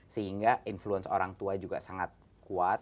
sehingga influence orang tua juga sangat kuat